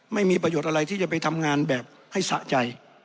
ไม่มีประโยชน์อะไรที่จะไปทำงานแบบให้สะใจ